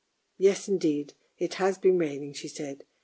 ' Yes, indeed, it has been raining," she said.